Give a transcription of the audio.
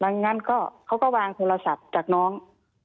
อย่างนั้นเขาก็วางโทรศัพท์จากน้อง